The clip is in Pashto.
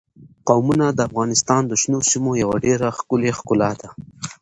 قومونه د افغانستان د شنو سیمو یوه ډېره ښکلې ښکلا ده.